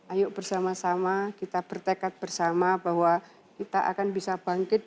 ayo bersama sama kita bertekad bersama bahwa kita akan bisa bangkit